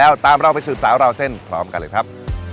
สวัสดีครับสวัสดีครับสวัสดีครับสวัสดีครับสวัสดีครับ